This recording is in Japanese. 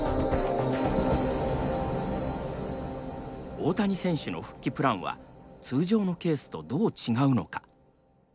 大谷選手の復帰プランは通常のケースとどう違うのか。